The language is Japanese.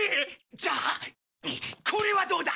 じゃあこれはどうだ！